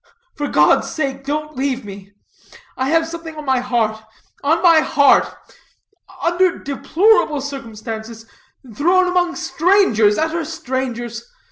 For God's sake don't leave me. I have something on my heart on my heart. Under deplorable circumstances thrown among strangers, utter strangers.